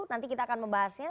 nanti kita akan membahasnya